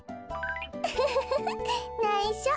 ウフフフフないしょ。